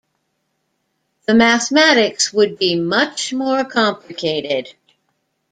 The mathematics would be much more complicated.